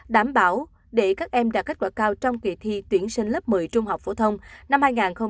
đảm bảo để các em đạt kết quả cao trong kỳ thi tuyển sinh lớp một mươi trung học phổ thông năm hai nghìn hai mươi hai hai nghìn hai mươi ba